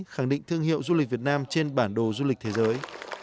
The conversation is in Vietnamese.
khẳng định thương hiệu du lịch việt nam trên bản đồ du lịch thế giới